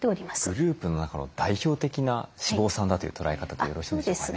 グループの中の代表的な脂肪酸だという捉え方でよろしいんでしょうかね。